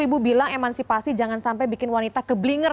ibu bilang emansipasi jangan sampai bikin wanita keblinger